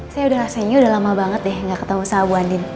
saya udah rasainya udah lama banget deh gak ketemu sama bu andien